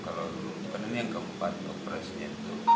karena ini yang keempat operasinya